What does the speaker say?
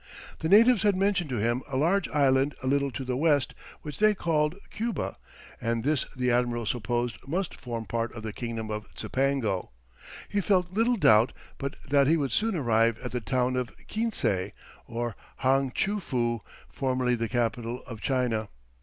The natives had mentioned to him a large island a little to the west which they called Cuba, and this the admiral supposed must form part of the kingdom of Cipango; he felt little doubt but that he would soon arrive at the town of Quinsay, or Hang tchoo foo, formerly the capital of China.